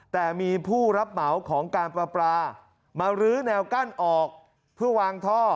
แต่มีผู้รับเหมาของการปลาปลามารื้อแนวกั้นออกเพื่อวางท่อ